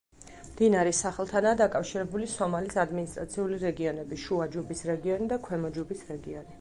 მდინარის სახელთანაა დაკავშირებული სომალის ადმინისტრაციული რეგიონები: შუა ჯუბის რეგიონი და ქვემო ჯუბის რეგიონი.